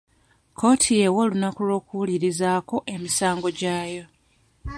Kkooti y'ewa olunaku olw'okuwulirizaako emisango gyayo.